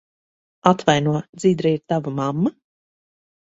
Atvaino, Dzidra ir tava mamma?